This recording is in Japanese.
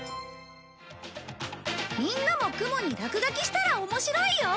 みんなも雲に落書きしたら面白いよ！